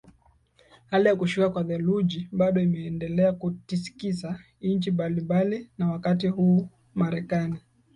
hali ya kushuka kwa theluji bado imeendelea kutikisa nchi mbalimbali na wakati huu marekani